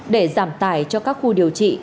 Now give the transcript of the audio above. để giảm tải cho các khu điều trị